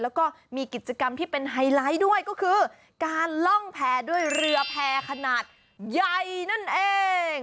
แล้วก็มีกิจกรรมที่เป็นไฮไลท์ด้วยก็คือการล่องแพรด้วยเรือแพร่ขนาดใหญ่นั่นเอง